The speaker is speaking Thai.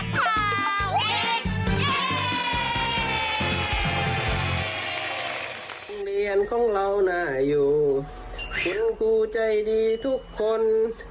โรงเรียนของเราน่าอยู่เห็นกูใจดีทุกคน